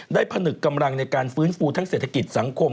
ผนึกกำลังในการฟื้นฟูทั้งเศรษฐกิจสังคม